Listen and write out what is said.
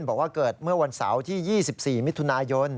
บอกว่าเกิดเมื่อวันเสาร์ที่๒๔มิถุนายน